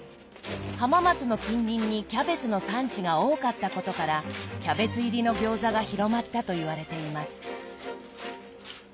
浜松の近隣にキャベツの産地が多かったことからキャベツ入りの餃子が広まったといわれています。